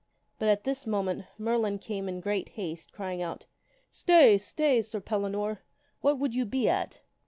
But at this moment Merlin came in great haste, crying out, "Stay! stay! Sir Pellinore; what would you be at?